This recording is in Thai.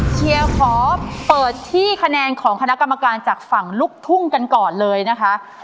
เชียร์ขอเปิดที่คะแนนของคณะกรรมการจากฝั่งลูกทุ่งกันก่อนเลยนะคะ